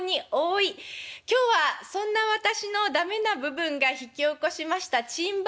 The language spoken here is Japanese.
今日はそんな私の駄目な部分が引き起こしました珍場面